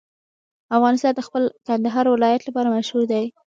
افغانستان د خپل کندهار ولایت لپاره مشهور دی.